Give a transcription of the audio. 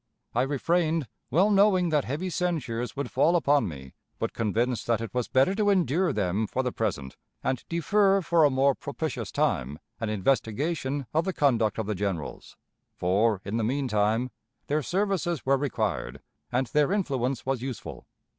I refrained, well knowing that heavy censures would fall upon me, but convinced that it was better to endure them for the present, and defer for a more propitious time an investigation of the conduct of the generals; for, in the mean time, their services were required and their influence was useful.